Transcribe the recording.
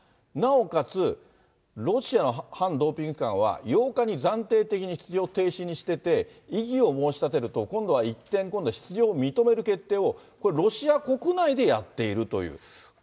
なおかつ、ロシアの反ドーピング機関は、８日に暫定的に出場停止にしてて、異議を申し立てると、今度は一転、今度は出場を認める決定を、これ、ロシア国内でやっているという。